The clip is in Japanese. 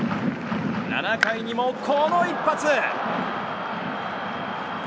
７回にも、この一発！